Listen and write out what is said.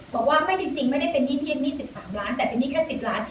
บอกว่าไม่จริงจริงไม่ได้เป็นหนี้พี่เอ็มมี่สิบสามล้านแต่เป็นหนี้แค่สิบล้าน